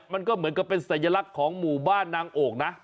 มันก็เหมือนกับเป็นสัญลักษณ์ของหมู่บ้านนางโอ่งนะ